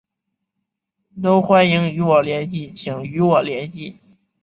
都欢迎与我联系请与我联系